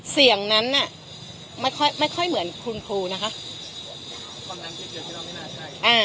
เสียงนั้นไม่ค่อยเหมือนคุณครูนะคะ